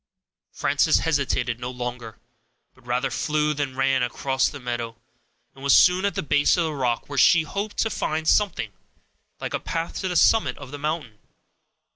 Frances hesitated no longer, but rather flew than ran across the meadow, and was soon at the base of the rock, where she hoped to find something like a path to the summit of the mountain.